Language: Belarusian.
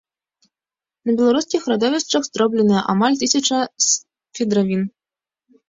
На беларускіх радовішчах зробленая амаль тысяча свідравін.